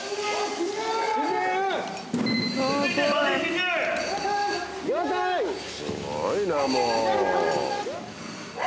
すごいなもう。